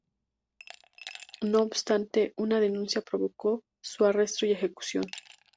No obstante, una denuncia provocó su arresto y ejecución.